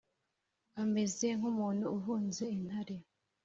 Ameze nk’umuntu uhunze intare,